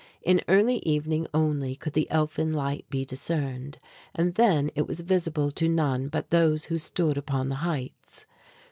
In early evening only could the elfin light be discerned, and then it was visible to none but those who stood upon the heights.